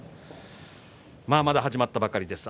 まだ始まったばかりです。